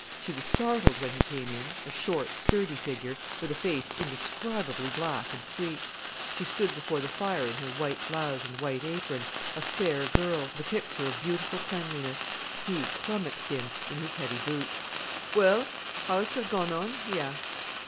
She was startled when he came in, a short, sturdy figure, with a face indescribably black and streaked. She stood before the fire in her white blouse and white apron, a fair girl, the picture of beautiful cleanliness. He "clommaxed" in, in his heavy boots. "Well, how 'as ter gone on?" he asked.